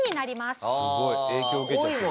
すごいな！